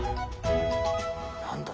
何だ？